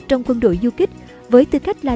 trong quân đội du kích với tư cách là